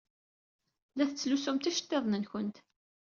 La tettlusumt iceḍḍiḍen-nwent.